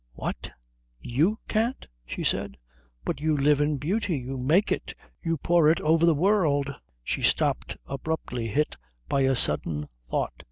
"What you can't?" she said. "But you live in beauty. You make it. You pour it over the world " She stopped abruptly, hit by a sudden thought.